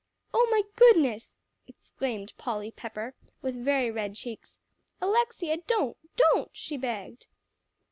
"Oh my goodness!" exclaimed Polly Pepper with very red cheeks. "Alexia, don't don't," she begged.